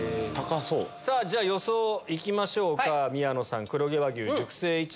じゃ予想いきましょうか宮野さん。